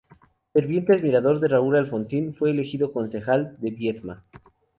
Ferviente admirador de Raúl Alfonsín, fue elegido concejal de Viedma.